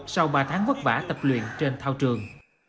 sau ba tháng vất vả tập luyện trên thao trường